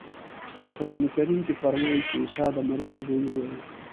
په قرانکریم کې فرمایي چې عیسی د مریم زوی وویل.